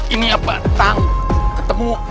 ini apa tang ketemu